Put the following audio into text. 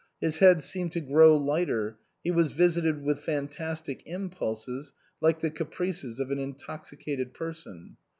His head seemed to grow lighter ; he was visited with fantastic im pulses like the caprices of an intoxicated person.